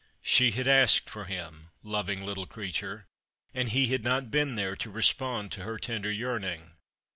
She had asked for him, loving little creature ; and he had not been there to respond to her tender yearning.